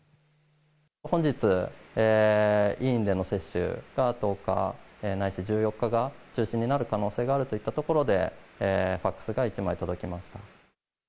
本日、医院での接種が１０日ないし１４日が中止になる可能性があるといったところで、ファックスが１枚届きました。